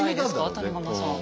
谷釜さん。